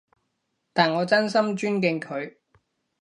但我真心尊敬佢